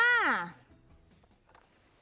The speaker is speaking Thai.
มี่